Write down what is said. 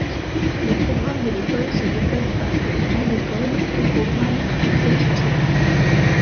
Les programmes de l'école se déploient du parcours Grande école aux programmes Executive.